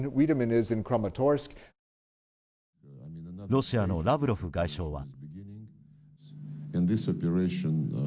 ロシアのラブロフ外相は。